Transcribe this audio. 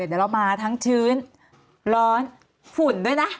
เดี๋ยวเรามาทั้งชื้นร้อนฝุ่นด้วยนะ